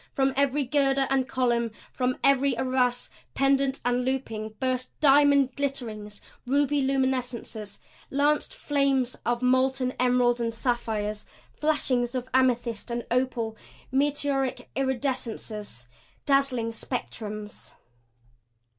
From every girder and column, from every arras, pendent and looping, burst diamond glitterings, ruby luminescences, lanced flames of molten emerald and sapphires, flashings of amethyst and opal, meteoric iridescences, dazzling spectrums.